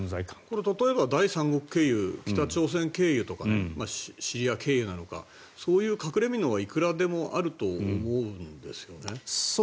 これ、例えば第三国経由北朝鮮経由とかシリア経由なのかそういう隠れみのはいくらでもあると思うんですよね。